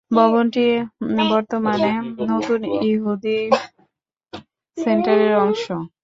ভবনটি বর্তমানে নতুন ইহুদি সেন্টারের অংশ।